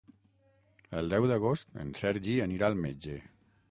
El deu d'agost en Sergi anirà al metge.